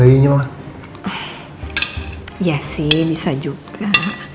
iya sih bisa juga